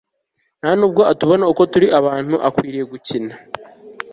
nta nubwo atubona ko turi abantu akwiriye gukina